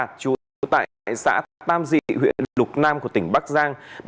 trú tại xã tam dị huyện lục nam của tỉnh bắc giang